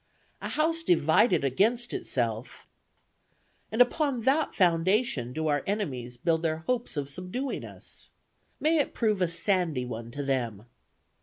A house divided against itself and upon that foundation do our enemies build their hopes of subduing us. May it prove a sandy one to them.